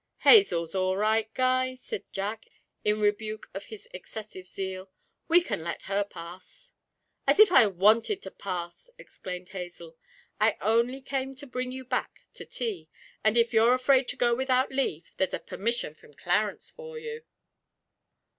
'Hazel's all right, Guy,' said Jack, in rebuke of this excessive zeal; 'we can let her pass.' 'As if I wanted to pass!' exclaimed Hazel. 'I only came to bring you back to tea; and if you're afraid to go without leave, there's a permission from Clarence for you.'